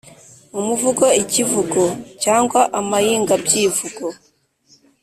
Umuvugo, ikivugo cyangwa amayingabyivugo